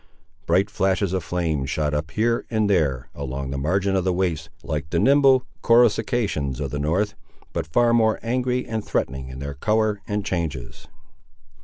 Bright flashes of flame shot up here and there, along the margin of the waste, like the nimble coruscations of the North, but far more angry and threatening in their colour and changes.